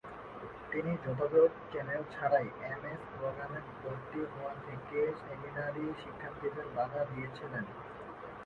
তিনি যথাযথ চ্যানেল ছাড়াই এমএস প্রোগ্রামে ভর্তি হওয়া থেকে সেমিনারি শিক্ষার্থীদের বাধা দিয়েছিলেন।